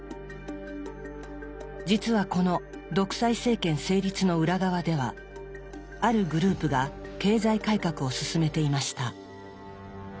実はこの独裁政権成立の裏側ではあるグループが経済改革を進めていました。